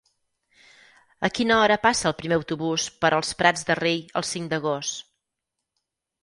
A quina hora passa el primer autobús per els Prats de Rei el cinc d'agost?